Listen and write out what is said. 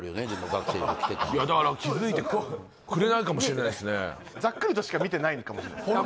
学生服着てたらいやだから気づいてくれないかもしれないですねざっくりとしか見てないかもしれないですね